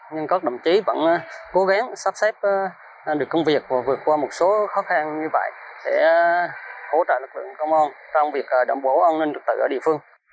nhưng các đồng chí vẫn cố gắng sắp xếp được công việc và vượt qua một số khó khăn như vậy để hỗ trợ lực lượng công an trong việc đảm bảo an ninh trực tự ở địa phương